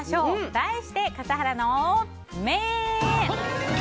題して、笠原の眼。